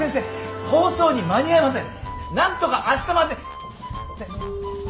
なんとか明日まで。